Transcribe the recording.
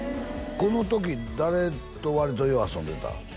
この時誰と割とよう遊んでた？